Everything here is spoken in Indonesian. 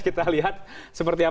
kita lihat seperti apa